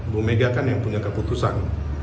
bumega kan yang punya keputusan